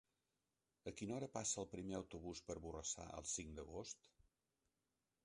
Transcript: A quina hora passa el primer autobús per Borrassà el cinc d'agost?